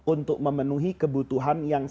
untuk memenuhi kebutuhan yang